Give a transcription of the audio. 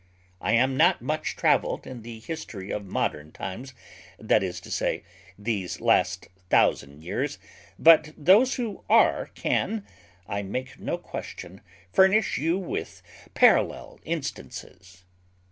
I am not much travelled in the history of modern times, that is to say, these last thousand years; but those who are can, I make no question, furnish you with parallel instances."